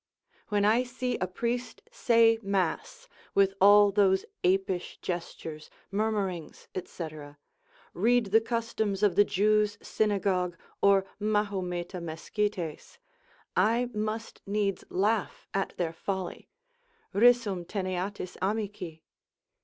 When I see a priest say mass, with all those apish gestures, murmurings, &c. read the customs of the Jews' synagogue, or Mahometa Meschites, I must needs laugh at their folly, risum teneatis amici?